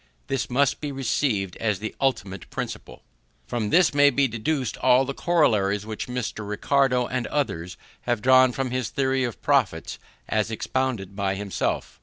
This must be received as the ultimate principle. From this may be deduced all the corollaries which Mr. Ricardo and others have drawn from his theory of profits as expounded by himself.